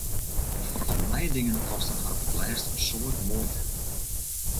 Foaral nije dingen kosten har op 't lêst in soad muoite.